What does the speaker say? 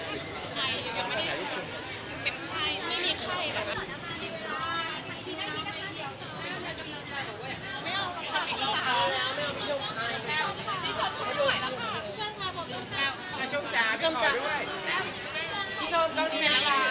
พี่ชมกล้องกระต่ายด้วยนะ